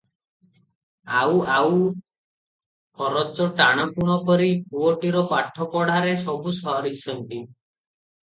ଆଉ ଆଉ ଖରଚ ଟାଣଟୁଣ କରି ପୁଅଟିର ପାଠ ପଢ଼ାରେ ସବୁ ସାରିଛନ୍ତି ।